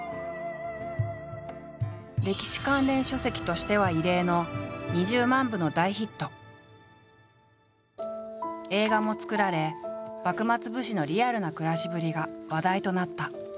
歴史関連書籍としては異例の映画も作られ幕末武士のリアルな暮らしぶりが話題となった。